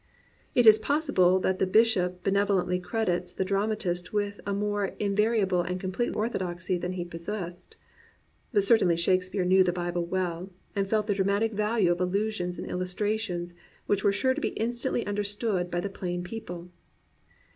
It is possible that the bishop benevo lently credits the dramatist with a more invariable and complete orthodoxy than he possessed. But certainly Shakespeare knew the Bible well, and felt the dramatic value of allusions and illustrations which were sure to be instantly understood by the plain people.